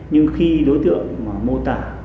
nhưng khi đối tượng mà mô tả